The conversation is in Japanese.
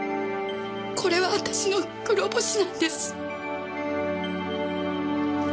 これは私の黒星なんです。